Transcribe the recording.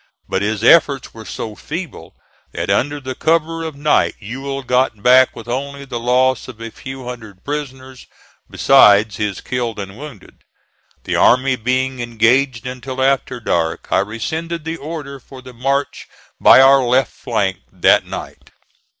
But his efforts were so feeble that under the cover of night Ewell got back with only the loss of a few hundred prisoners, besides his killed and wounded. The army being engaged until after dark, I rescinded the order for the march by our left flank that night.